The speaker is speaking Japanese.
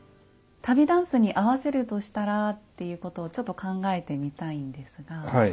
旅箪笥に合わせるとしたらっていうことをちょっと考えてみたいんですが。